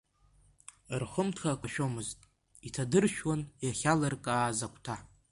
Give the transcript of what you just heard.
Рхымҭа кашәомызт, иҭадыршәуан иахьалыркааз агәҭа.